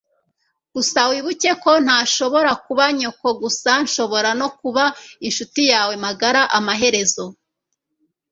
gusa wibuke ko ntashobora kuba nyoko gusa nshobora no kuba inshuti yawe magara amaherezo